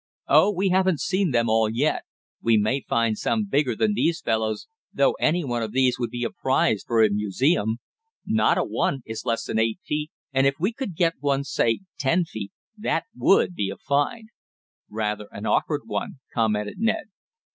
"Oh, we haven't seen them all yet. We may find some bigger than these fellows, though any one of these would be a prize for a museum. Not a one is less than eight feet, and if we could get one say ten feet that WOULD be a find." "Rather an awkward one," commented Ned.